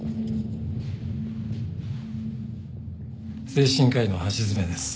精神科医の橋爪です。